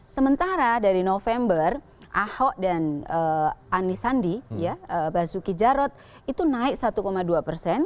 sementara dari november ahok dan anisandi basuki jarot itu naik satu dua persen